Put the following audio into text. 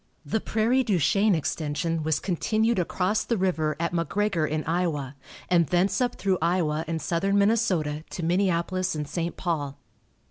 The Prairie du Chien extension was continued across the river at McGregor in Iowa, and thence up through Iowa and Southern Minnesota to Minneapolis and St. Paul.